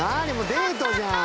デートじゃん！